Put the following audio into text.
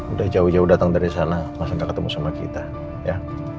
udah jauh jauh datang dari sana masa gak ketemu sama kita ya